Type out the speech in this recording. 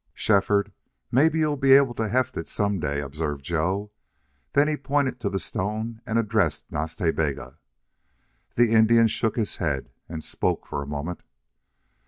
"Shefford, maybe you'll be able to heft it some day," observed Joe. Then he pointed to the stone and addressed Nas Ta Bega. The Indian shook his head and spoke for a moment.